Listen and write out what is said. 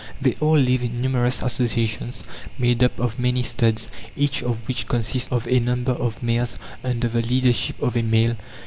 They all live in numerous associations made up of many studs, each of which consists of a number of mares under the leadership of a male.